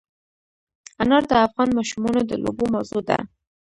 انار د افغان ماشومانو د لوبو موضوع ده.